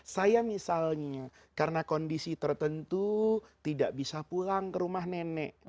saya misalnya karena kondisi tertentu tidak bisa pulang ke rumah nenek